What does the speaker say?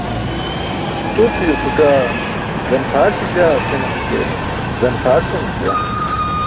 Turpiyo suc̣aa? Zan-xaar śećaa? Senas ke, zan-xar senum juwan.